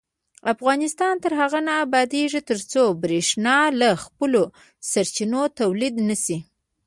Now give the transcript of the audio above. افغانستان تر هغو نه ابادیږي، ترڅو بریښنا له خپلو سرچینو تولید نشي.